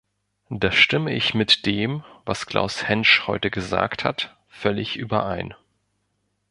Da stimme ich mit dem, was Klaus Hänsch heute gesagt hat, völlig überein.